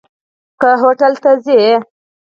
که هوټل ته ځي.